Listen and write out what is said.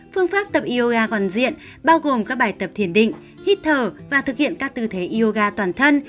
phương pháp tập ioa còn diện bao gồm các bài tập thiền định hít thở và thực hiện các tư thế yoga toàn thân